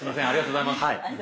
ありがとうございます。